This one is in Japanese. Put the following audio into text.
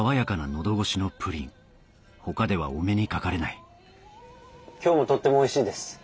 他ではお目にかかれない今日もとってもおいしいです。